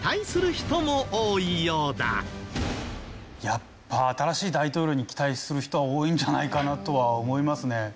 やっぱ新しい大統領に期待する人は多いんじゃないかなとは思いますね。